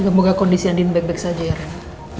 semoga kondisi andien baik baik saja ya ren